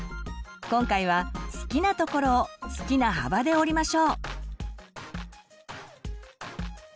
今回は好きなところを好きな幅で折りましょう。